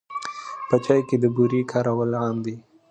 په چای کې د بوري کارول عام دي.